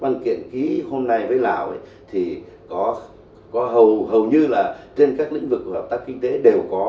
văn kiện ký hôm nay với lào thì có hầu như là trên các lĩnh vực của hợp tác kinh tế đều có